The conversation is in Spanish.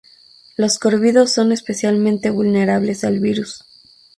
Los córvidos son especialmente vulnerables al virus.